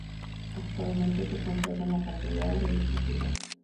Actualmente se conserva en la Catedral de dicha ciudad.